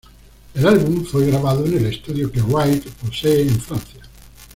El álbum fue grabado en el estudio que Wright posee en Francia.